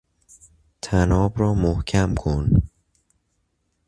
طناب را محکم کن!